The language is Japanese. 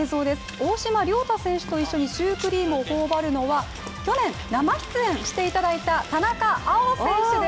大島僚太選手と一緒にシュークリームをほおばるのは去年、生出演していただいた田中碧選手です。